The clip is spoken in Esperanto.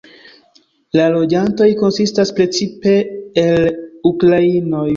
La loĝantoj konsistas precipe el ukrainoj.